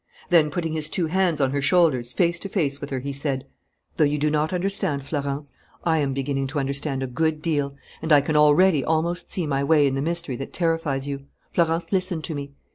Then, putting his two hands on her shoulders, face to face with her, he said: "Though you do not understand, Florence, I am beginning to understand a good deal; and I can already almost see my way in the mystery that terrifies you. Florence, listen to me.